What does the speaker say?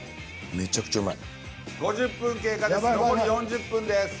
めちゃくちゃうまい。